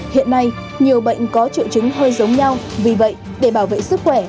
hiện nay nhiều bệnh có triệu chứng hơi giống nhau vì vậy để bảo vệ sức khỏe